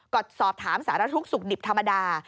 ก็สอบถามสารทุกข์สุขดิบธรรมดา